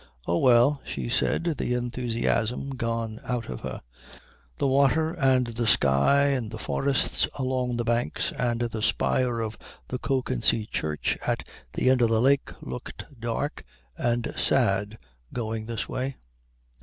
"Oh, well," she said, the enthusiasm gone out of her. The water and the sky and the forests along the banks and the spire of the Kökensee church at the end of the lake looked dark and sad going this way.